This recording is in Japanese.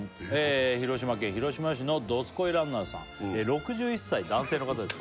広島県広島市のどすこいランナーさん６１歳男性の方です